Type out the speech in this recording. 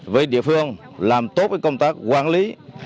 với địa phương làm tốt công tác quản lý